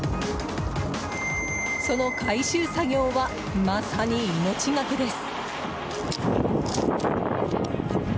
その回収作業はまさに命がけです。